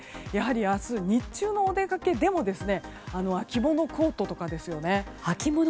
明日日中のお出かけでも秋物コートとかですよね。